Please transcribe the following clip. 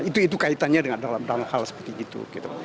itu itu kaitannya dengan hal hal seperti itu